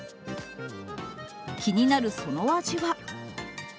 気になるその味は。